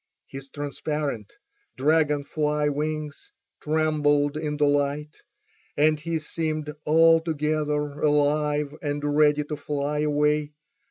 His transparent dragon fly wings trembled in the light, and he seemed altogether alive and ready to fly away.